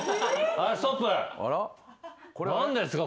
何ですか？